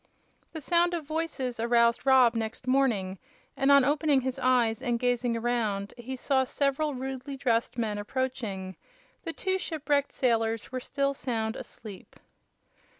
The sound of voices aroused Rob next morning, and on opening his eyes and gazing around he saw several rudely dressed men approaching. The two shipwrecked sailors were still sound asleep.